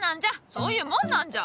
そういうもんなんじゃ！